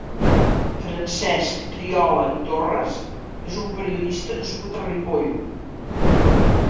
Francesc Triola i Torres és un periodista nascut a Ripoll.